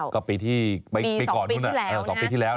ก็ปีที่ปีก่อนปีที่แล้วนะ